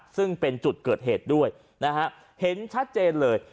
ซึ่งเป็นจุดเกิดเหตุด้วยนะฮะเห็นชัดเจนเลย